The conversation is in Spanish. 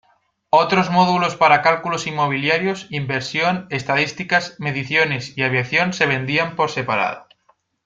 Otros módulos para cálculos inmobiliarios, inversión, estadísticas, mediciones y aviación se vendían por separado.